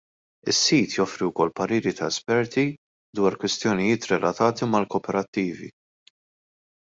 Is-sit joffri wkoll pariri ta' esperti dwar kwistjonijiet relatati mal-koperattivi.